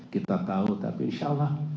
kita tahu tapi insya allah